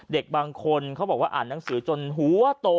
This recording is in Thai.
เด็กบางคนเขาบอกว่าอ่านหนังสือจนหัวโต